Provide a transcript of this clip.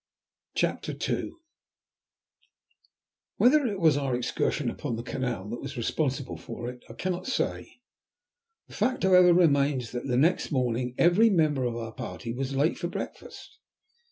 CHAPTER II Whether it was our excursion upon the canal that was responsible for it I cannot say; the fact, however, remains, that next morning every member of our party was late for breakfast.